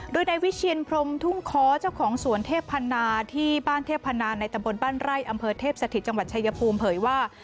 โดยนายวิเชียนพรมทุ่งค้อเจ้าของสวนเทพพันนาที่บ้านเทพนาในตำบลบ้านไร่อำเภอเทพสถิตจังหวัดชายภูมิเผยว่า